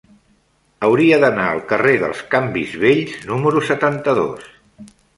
Hauria d'anar al carrer dels Canvis Vells número setanta-dos.